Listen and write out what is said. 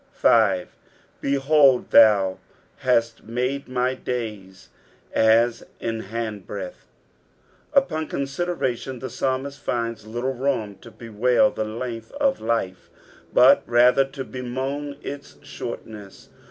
6. " Behold, iho^ kail mad4 my dayt at an, handhreadih,'" Upon consi deration, the psalmist finds little room to bewail the length of life, but rather to bemoan its shortness.